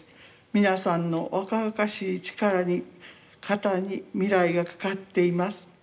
皆さんの若々しい力に肩に未来がかかっています。